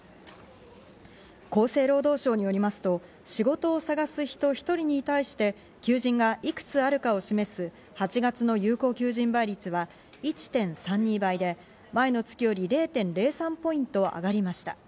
厚生労働省によりますと、仕事を探す人１人に対して、求人がいくつあるかを示す８月の有効求人倍率は１．３２倍で、前の月より０．０３ポイント上がりました。